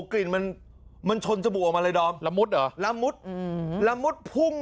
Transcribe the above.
กลิ่นมันมันชนจมูกออกมาเลยดอมละมุดเหรอละมุดอืมละมุดพุ่ง